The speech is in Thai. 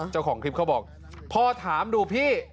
เจ้าของคลิปเขาบอกพอถามดูพี่